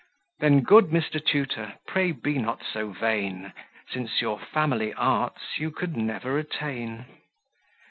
Then good Mr. Tutor, pray be not so vain, Since your family arts you could never attain.